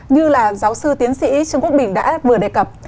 như là giáo sư tiến sĩ trương quốc bình đã vừa đề cập